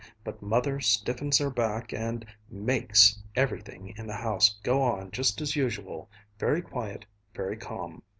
But Mother stiffens her back and makes everything in the house go on just as usual, very quiet, very calm.